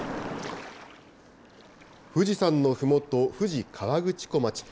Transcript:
富士山のふもと、富士河口湖町。